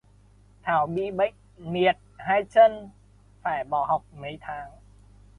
thảo bị bệnh liệt hai chân phải bỏ học mấy tháng